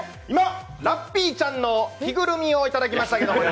今、ラッピーちゃんの着ぐるみをいただきましたけど。